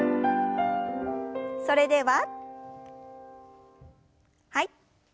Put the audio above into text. それでははい。